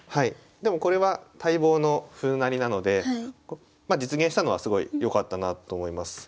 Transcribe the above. でもこれは待望の歩成りなのでまあ実現したのはすごいよかったなと思います。